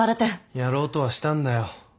やろうとはしたんだよ。